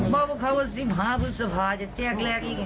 บอกว่าเขาว่าสิบหาพุทธภาคจะแจ้งแรกอีกไง